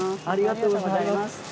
ありがとうございます。